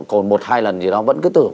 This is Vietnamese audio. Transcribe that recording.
còn một hai lần gì đó vẫn cứ tự hợp